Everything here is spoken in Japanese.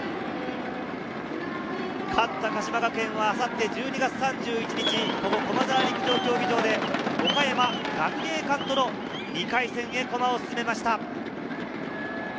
勝った鹿島学園は明後日１２月３１日、駒沢陸上競技場で岡山学芸館との２回戦へ駒を進めました。